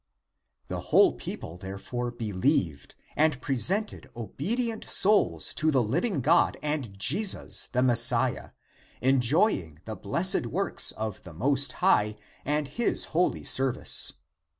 The whole people therefore believed, and presented obedient souls to the living God and Jesus the Messiah, enjoying the blessed works of the Most High and his holy service.